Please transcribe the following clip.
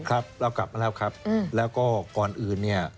ครับเรากลับมาแล้วครับแล้วก็ก่อนอื่นเนี่ย